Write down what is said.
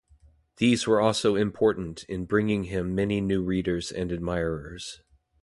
These were also important in bringing him many new readers and admirers.